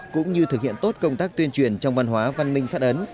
cũng như thực hiện tốt công tác tuyên truyền trong văn hóa văn minh phát ấn